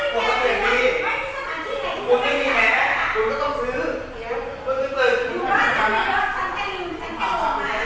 บรรทักษณะดีครับบรรทักษณะดีบรรทักษณะดีบรรทักษณะดี